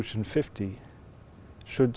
chủ nghĩa năm mươi